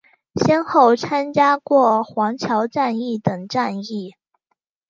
先后参加过黄桥战役等战役。